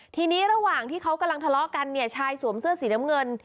ทีนี้ระหว่างที่เขากำลังทะเลาะกันเนี่ยชายสวมเสื้อสีน้ำเงิน